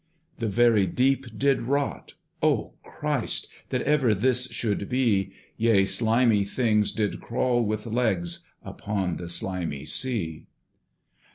The very deep did rot: O Christ! That ever this should be! Yea, slimy things did crawl with legs Upon the slimy sea.